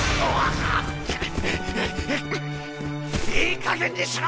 いいかげんにしろ！